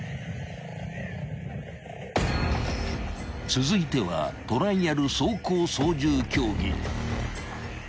［続いてはトライアル走行操縦競技］